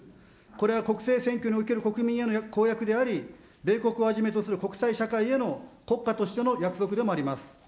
これは国政選挙における国民への公約であり、米国をはじめとする国際社会への国家としての約束でもあります。